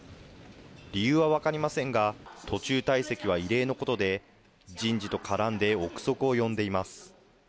理由は分かりませんが、途中退席は異例のことで、人事と絡んで臆測を呼んでいます。